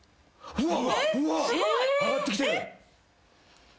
・うわ！上がってきてる。